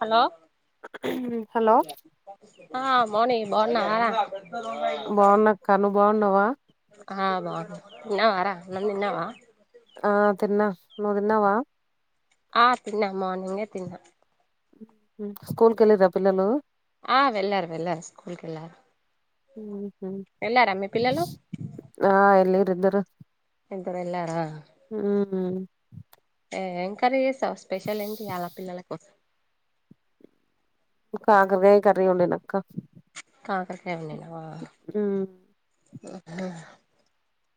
Hello hello ఆ మౌని బాగున్నావారా బాగున్నాక్క నువ్వు బాగున్నావా ఆ బావున్నా తిన్నవారా అన్నం తిన్నావా ఆ తిన్నా నువ్ తిన్నావా ఆ తిన్నా మార్నింగే తిన్నా మ్ స్కూల్ కెళ్ళిర్ర పిల్లలు ఆ వెళ్ళారు వెళ్ళారు స్కూల్కి ఎళ్ళారు ఉహు. వెళ్ళారా మీ పిల్లలు ఆ ఎల్లిర్రిద్దరు ఇద్దరూ ఎల్లారా మ్ ఏం కర్రీ చేసావు స్పెషల్ ఏంటి ఇయ్యాల పిల్లల కోసం కాకరకాయ కర్రీ వండినక్క కాకరకాయ వండినావ మ్ హు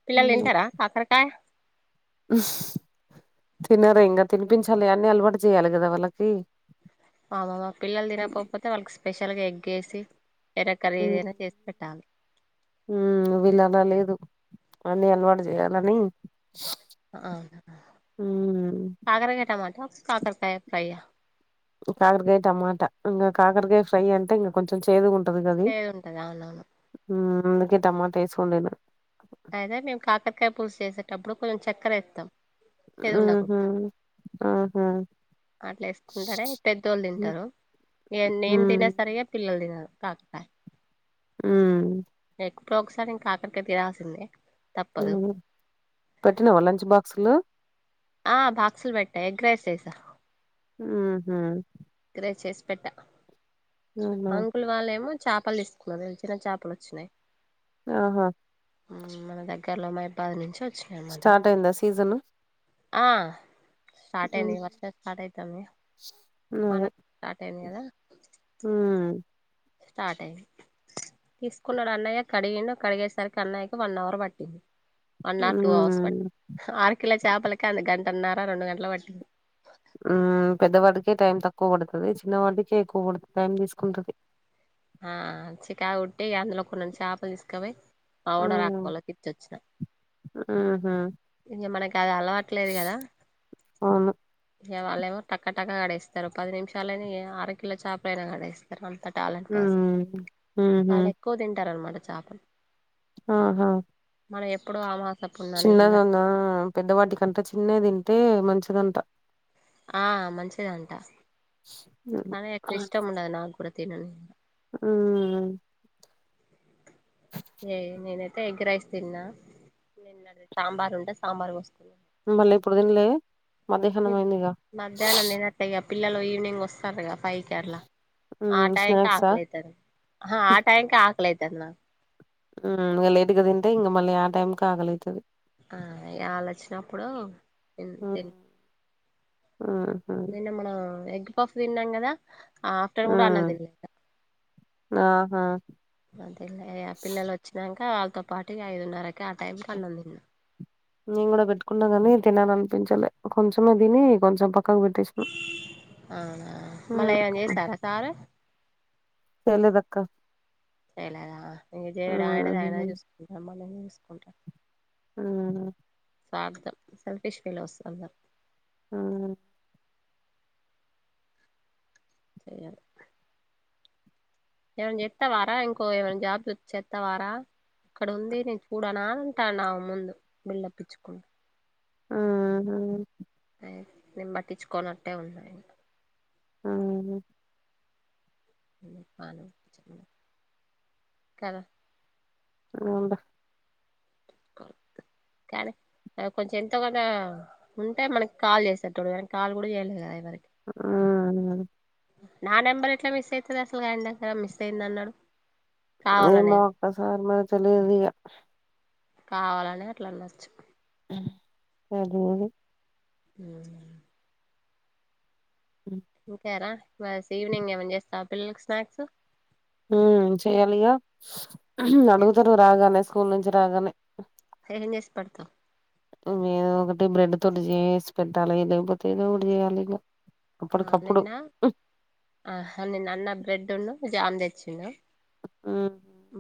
పిల్లలు తింటారా కాకరకాయ తినరు ఇంగ తినిపించాలి అన్ని అలవాటు చేయాలి కదా వాళ్ళకి ఆ మా పిల్లలు తినకపోకపోతే వాళ్ళకి స్పెషల్గా ఎగ్ ఏసి వేరే కర్రీ ఏదైనా చేసి పెట్టాలి మ్ వీళ్ళలా లేదు అన్నీ అలవాటు చేయాలని ఆ ఉమ్. కాకరకాయ టమాటా కాకరకాయ ఫ్రై యా కాకరకాయ టమాటా ఇంగ కాకరకాయ ఫ్రై అంటే ఇంగ కొంచెం చేదుగా ఉంటది గది ఏది ఉంటది అవునవును అందుకే టమాటా ఏసి వొండినా అదే మేము కాకరకాయ పులుసు చేసేటప్పుడు కొంచెం చక్కెర ఎత్తమ్ మ్ హు ఆహా అట్లేసుకుంటేనే పెద్దోళ్ళు తింటారు ఇగ నేను తిన హ్మ్ సరిగా పిల్లలు తినరు కాకరకాయ మ్ ఎక్ప్పుడో ఒకసారి ఇంక కాకరకాయ తినాల్సిందే తప్పదు మ్ పెట్టినావా లంచ్ బాక్సులు ఆ బాక్సులు పెట్టా ఎగ్ రైస్ చేసా మ్ హు ఎగ్ రైస్ చేసి పెట్ట ఆహా! అంకుల్ వాళ్ళేమో చాపలు తీసుకున్నారు చిన్న చాపలు వచ్చినాయ్ ఆహా మ్ మన దగ్గరలో మహబాద్ నుంచి వచ్చినాయన్నమాట స్టార్ట్ అయిందా సీజను? ఆ స్టార్ట్ అయింది వర్షం స్టార్ట్ అయితాంది స మనక్ స్టార్ట్ అయింది కదా మ్ స్టార్ట్ అయ్యంది తీసుకున్నాడు అన్నయ్య కడిగిండు కడిగేసరికి అన్నయ్యకి వన్ అవర్ పట్టింది వన్ ఆర్ టూ అవర్స్ పట్టి హ్మ్. ఆర కిలో చేపలకి అంత గంటన్నర రెండు గంటల పట్ మ్ పెద్దవాడికే టైం తక్కువ పడుతది చిన్నవాడికే ఎక్కువ పడు టైం తీసుకుంటది ఆ చికాకు పుట్టి అందులో కొన్ని చేపలు తీసుకపోయి మా ఓనర్ ఆక్కోళ్ళకు ఇచ్చొచ్చినా మ్ హు ఇంగ మనకి అది అలవట్లేదు కదా అవును ఇగ వాళ్ళేమో టక్క టక కడేస్తారు పది నిమిషాలనే అర కిల చేపలైనా కడేస్ స్తారు అంత టాలెంట్ పస్ హ్మ్. హుహు. వాల్లు ఎక్కువ తింటారనమాట చేపలు ఆహా మనం ఎప్పుడు ఆమా చిన్నదనా పెద్దవాటికంతా చిన్న తింటే మంచిదంట ఆ మంచిదంట హ్మ్. కానీ ఎక్కువ ఇష్టం ఉండదు నాకు కూడా తినని ఉమ్ ఏ నేనైతే ఎగ్ రైస్ తిన్న నిన్నడిది సాంబార్ ఉంటే సాంబార్ పోస్కున్నా మళ్ళీ ఇప్పుడు దిన్లే మధ్యాహ్నం అయిందిగ మధ్యాహ్నం తినట్టే ఇగ పిల్లలు ఈవినింగ్ వస్తారుగా ఫైకి అల ఆ హ్మ్. టైంకి స్నాక్సా? ఆకలైతది ఆ టైంకి ఆకలైతదిన మ్ లేటుగా తింటే ఇంగ మళ్ళీ ఆ టైమ్కి ఆకలైతది ఆ ఆళ్ వచ్చినప్పుడు ఇన్ తిన్ ఉమ్ నిన్న మనం ఎగ్ పఫ్ తిన్నాం కదా ఆఫ్టర్ కూడా అన్నం హ్మ్. తిన్లే ఆహా అదేలే పిల్లలు వచ్చినాక ఆళ్ళతో పాటు ఇగ ఐదున్నరకి ఆ టైంకి అన్నం తిన్నా నేను కూడా పెట్టుకున్నా కాని తినలనిపించలే కొంచెమే తిని కొంచెం పక్కకు పెట్ ఆ మళ్ళా హ్మ్. ఏమనా చేస్తారా సారు చెయలేదక్క చేయలేదా ఇంక చేయడు ఆయనది ఆయనే హుహు. చూసుకుంట మళ్ళ చూసుకుంటా మ్మ్ స్వార్థం సెల్ఫిష్ ఫెల్లోస్ అందరు ఆ చేయాలి ఏవనా జేస్తావారా ఇంకో ఏమైనా జాబ్బు చెత్తావారా ఇక్కడ ఉంది నేను చూడన అంటనా ముందు బిల్డప్ ఇచ్చుకు ఉమ్మ్ అ నేను పట్టించుకోనట్టే ఉన్నాయి అవున అను చింది కదా నీవంద కాలే అ కొంచెం ఎంతో కన్న ఉంటే మనకి కాల్ చేసేటోళ్ళు మనకి కాల్ కూడా చేయలేదు కదా ఎవరికి ఆ అను అను నా నెంబర్ ఎట్లా మిస్ అయితది అసలు ఆయన దగ్గర మిస్ అయిందన్నడు కావాలనే అ సార్ మ తెలిదియ కావాలనే అట్లా అన్నచ్చు [unintelligible] హ్మ్ మ్ ఇంకేర బస్ ఈవినింగ్ ఏమన్నా చేస్తావ పిల్లలకి స్నాక్సు ఉమ్ చెయాలిగా అడుగుతారు రాగానే స్కూల్ నుంచి రాగానే ఏం చేసి పెడతావ్ ఎదోకటి బ్రెడ్ తోటి చేసి పెట్టాలి లేకపోతే ఏదో ఒకటి చేయాలి ఇగ ఆ నిన్న ఆహా నిన్న అన్న బ్రెడును జామ్ తెచ్చిన్నా ఆ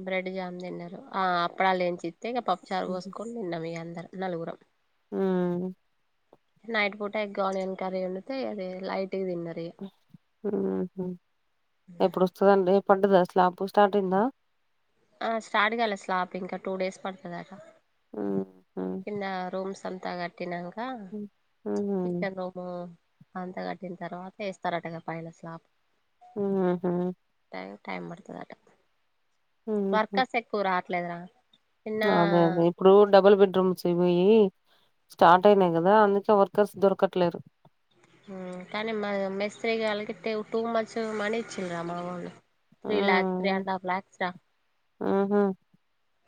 బ్రెడ్ జామ్ తిన్నారు ఆ అప్పడాలేంచిస్తే ఇంగ పప్పుచారు ఉహు పోసుకోన్ తిన్నాం ఇగ అందరం నలుగురం ఊ నైట్ పూట ఎగ్ ఆనియన్ కర్రీ వొండితే అది లైట్ గ తిన్నరు ఊహు ఊ ఎప్పుడు వస్తదండి పడ్డదా స్లాబ్ స్టార్ట్ అయిందా ఆ స్టార్ట్ గాలే స్లాప్ ఇంకా టూ డేస్ పడ్తాదట ఉహు కింద రూమ్స్ అంతా కట్టినాంక ఉహు కిచెన్ రూము అంత కట్టిన తర్వాత ఏస్తారట ఇగ పైన స్లాప్ ఊహు టైమ్ టైమ్ పడ్తాదట వర్కర్స్ ఎక్కువ రావట్లేదురా నిన్న ఆదాదే ఇప్పుడు డబుల్ బెడ్రూమ్స్ అయిపోయి స్టార్ట్ అయినాయి కదా అందుకే వర్కర్స్ దొరకట్లేరు ఊ కానీ మా మేస్త్రీ గాళ్లకి టే టూ మచ్ మనీ ఇచ్చిండ్రు అమ్మ వాళ్ళు three lakhs three and half lakhs రా ఆహా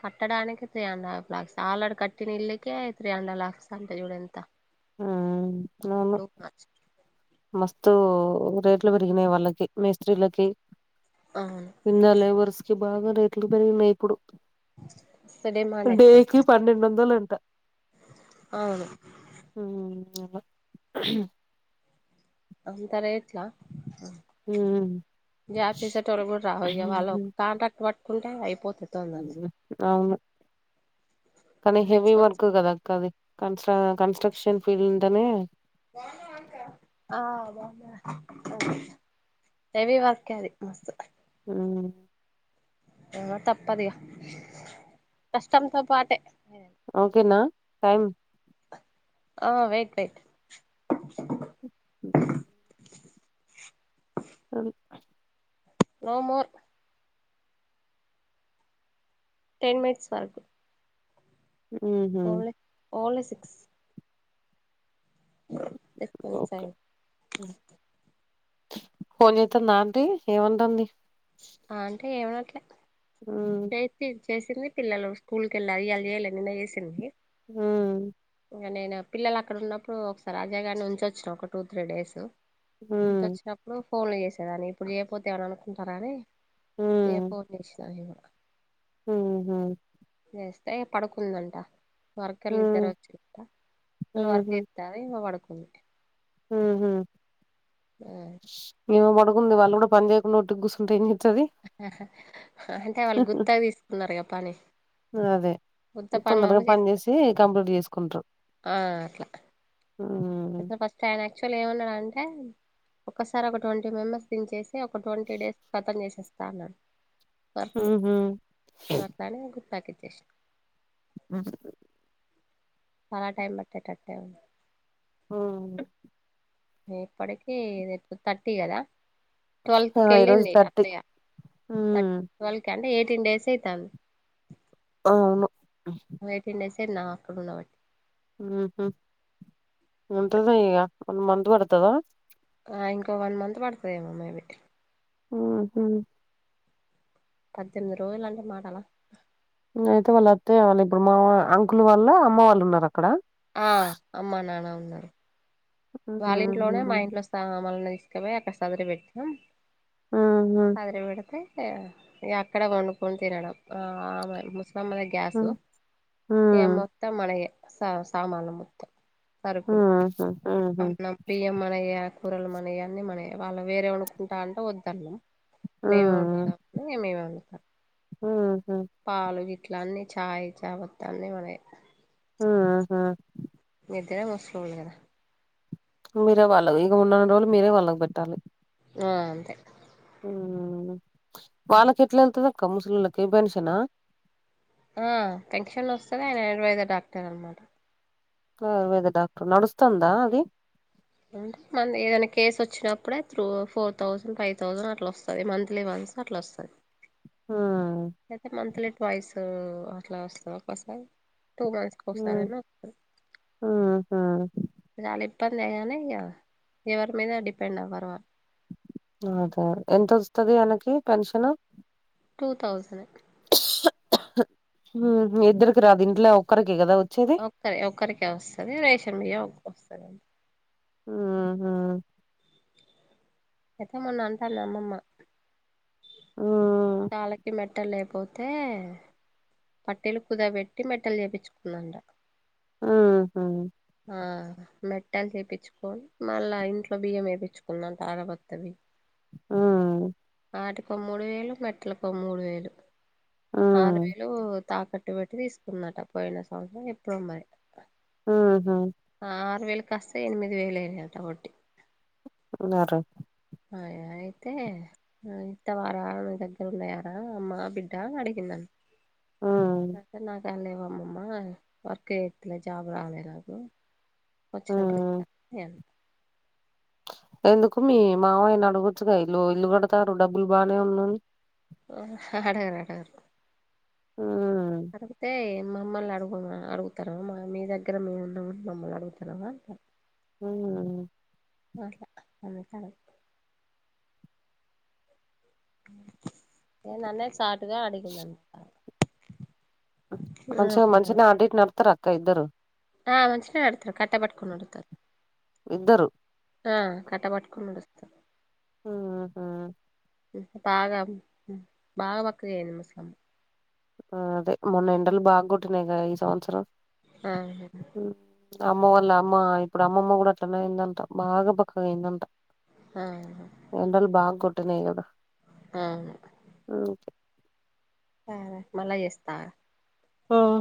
కట్టడానికి three and half lakhs already కట్టిన ఇళ్లకే త్రీ అండ్ హాఫ్ లాక్స్ అంటే చూడు ఎంత ఊ నేను టూ మచ్ మస్తు రేట్లు పెరిగినాయి వాళ్ళకి మేస్త్రీలకి అవును ఇంగా లేబర్స్ కి బాగా రేట్లు పెరిగినయి ఇప్పుడు డిమాండ్ డేకి ఎక్కువైతది పన్నెండొందలు అంట అవును ఊ [unintelligible] అంత రేట్లా జాబ్ చేసే టోల్లు కూడా రారు ఇగ వాళ్ళు కాంట్రాక్టు వట్టుకుంటే అయిపోతది తొందరనే అవును కానీ సిక్స్ హెవీ మంత్స్ వర్క్ కదక్క అది కన్స్టా కన్స్ట్రక్షన్ ఫీల్డ్ అనే ఆ బావున్నా హెవీ వర్క్ ఇది మస్తు ఊ ఇంగ తప్పదిగా కష్టంతో పాటే ఓకేనా టైం ఆ వెయిట్ వెయిట్ ఉ అది నో మోర్ టెన్ మినిట్స్ వరకు ఉహు ఓలె ఓన్లీ సిక్స్ ఓకే [unintelligible] ఫోన్ జేత్తంద ఆంటీ ఏమంటాంది ఆంటీ ఏమనట్లే ఊ ఇప్పి చేసింది పిల్లలు స్కూల్ కెళ్ళా ఈయల చేయల నిన్న చేసింది హ్మ్ ఇంక నేను పిల్లలు అక్కడ ఉన్నప్పుడు ఒకసారి అజయ గారిని ఉంచొచ్చిన ఒక టూ త్రీ డేస్ ఉమ్, ఉంచొచ్చినప్పుడు ఫోన్లు చేసేదాన్ని ఇప్పుడు చేయకపోతే ఏమైన అనుకుంటారాని ఏ ఫోన్ చేసినానిగ ఊ హూ చేస్తే పడుకుందంట వర్కర్లు ఇద్దరు ఉమ్, వచ్చిరంట వాళ్ళ వర్క్ ఉహు, దవ ఇగ పడుకుంది ఊ హూ హ్మ్ ఏమో పడుకుంది వాళ్ళ కూడా పని చేయకుండా ఒట్టిగ కూసుంటె ఏం చేస్తుంది అంటే వాళ్ళు గుత్తగా తీసుకున్నారు గా పని అదే అదే గుత్త తొందరగా పనులోళ్ళు పని చేస్తారు చేసి కంప్లీట్ చేసుకుంటరు ఆ అట్లా హ్మ్ అసలు ఫస్ట్ ఆయన ఆక్చుఅల్లీ ఏమన్నాడాంటే ఒకసారి ఒక ట్వంటీ మెంబర్స్ దించేసి ఒక ట్వంటీ డేస్ కతం చేసేస్తా అన్నడు వర్క్ ఉహు అట్లానే ఇక [unintelligible] హ్మ్ చాలా టైమ్ పట్టే టట్టెంది హ్మ్ ఇప్పటికీ థర్టీ కదా ఆ ట్వెల్త్కి ఈరోజు వెళ్ళింది థర్టీ అత్తయ్య తథట్ ఉమ్ ట్వెల్వ్కి అంటే ఎయిటీన్ డేస్ అవుతుంది అవును ఎయిటీన్ డేస్ అయ్యింది ఆమె అక్కడ ఉండబట్టి ఉంటది ఇక వన్మంత్ పడుతదా ఇంక వన్ మంత్ పడుతుందేమో మేబీ ఊహూ పద్దెనిమిది రోజులంటే మాటలా అయితే వాళ్ళు అత్తయ్య వాళ్ళ ఇప్పుడు మా అంకులు వాళ్ళ అమ్మ వాళ్ళు ఉన్నారు అక్కడ ఆ అమ్మ నానా ఉన్నారు ఉహు వాళ్ళ ఇంట్లోనే మా ఉహు ఇంట్లో వస్ [unintelligible] తీసుకుపోయి అక్కడ చదర పెడతాం ఉమ్ ఉహు సదర పెడితే యా ఏ అక్కడే వండుకొని తినడం ఆమె ముసలమ్మ దగ్గ గ్యాసు ఉహు ఏ మొత్తం మనవే సా సామాన్లు మొత్తం సరుకులు ఊహూ హూ అన్నం బియ్యం మనయే కూరలు మనయే అన్ని మనయే వాళ్ళు వేరే వండుకుంటా అంటే వద్దన్నాం మేమే వండుతాం మేమే వండుతాం ఊహూ పాలు ఇట్ల అన్నీ ఛాయ్ చాపత్త అన్నీ మనయే ఊహూ మీరు కూడా ముస్లిమే కదా మీరే వాళ్ళగ ఇక ఉన్నానీ రోజులు మీరే వాళ్ళ కి పెట్టాలి ఆ అంతే మ వాళ్ళకి ఎట్లా వెళ్తుది అక్క ముసలోళ్ళకి బెన్షనా ఆ పెన్షన్ వస్తుంది ఆయన అడ్వైజర్ డాక్టర్ అనమాట ఆయుర్వేద డాక్టర్ నడుస్తందా అది మంది ఏదైనా కేసు వచ్చినప్పుడే through four thousand, five thousand అట్లా వస్తది మంత్లీ వన్స్. అట్ల వస్తది హ్మ్ అయితే మంత్లీ వాయిస్ అట్లా వస్తదా ఒకసారి, టూ మంత్స్ కి ఒకసారేమో ఆ ఆహా. చాలా ఇబ్బందే కానీ ఇగ ఎవరి మీద డిపెండ్ అవ్వరు వా అదే ఎంతొస్తది ఆయనకి పెన్షన్. Two thousand. ఇద్దరికి రాదు ఇంట్లో ఒక్కరికే కదా వచ్చేది. సరే ఒక్కరికే వస్తది, రేషన్ బియ్యం ఒకటి వస్తదండి. ఉహ్. అయితే మొన్న అంటాది అమ్మమ్మా. ఆ కాళ్ళకి మెట్టలు లేకపోతే. పట్టీలు కుదబెట్టి మెట్టలు చేపిచ్చుకుందంటా. ఆహా. ఆ మెట్టలు చేపిచ్చుకోని మళ్ళా ఇంట్లో బియ్యం ఎపిచ్చుకుందంటా అరబత్తవి. ఆ ఆటికో మూడు వేలు, మెట్టలకో మూడు వేలు. ఆరు హ్మ్ వేలు తాకట్టు పెట్టి తీసుకుందంట పోయిన సంవత్సరమో ఎప్పుడో మరి. ఆహా. ఆరు వేలు కాస్త ఎనిమిది వేలు అయినయటా వడ్డి. ఉన్నారు. ఆ అయితే ఆ ఇత్తవారా నీ దగ్గర ఉన్నయారా అమ్మ బిడ్డ అడిగిందం హ్మ్ అయితే నాతానా లేవు అమ్మమ్మ వర్క్ చేత్తలే జాబ్ రాలే నాకు. వచ్చినప్పుడు హ్మ్ ఇత్త నేఅన్ ఎందుకు మీ మామయ్యని అడగొచ్చుగా ఇల్లు ఇల్లు కడతారు డబ్బులు బానే ఉన్నయి. ఆహా అడగరు అడగరు. ఆ అడుగుతే మమ్మల్ని అడుగు అడుగుతరు, మా మీ దగ్గర మేము ఉన్నమని మమ్మల్ని అడుగుతన్నవా అంటరు. హ్. అహా అందుకనే ఇగ నాన్నే చాటుగా అడిగిం [inaudible] కొంచెం మంచిగనే అటు ఇటు నడుత్తరా అక్క ఇద్దరు. ఆ మంచిగనే నడతరు కట్టా పట్కొని నడుత్తరు. ఇద్దరు? ఆ కట్ట పట్టుకొని నడుస్తరు. ఆహా బాగా బాగా బక్కగా అయింది ముసలమ్మ. ఆ అదే మొన్నెండలు బాగ కొట్టినయి కదా ఈ సంవత్సరం. ఆహా. అమ్మ వాళ్ళ అమ్మ ఇప్పుడు అమ్మమ్మ కూడా అట్లనే అయిందంటా బాగా బక్కగా అయిందంట. ఆహా. ఏండల బాగ కొట్టనయి కదా. ఆ. [unintelligible] కే. తలా మళ్ళా చేస్తా ఆ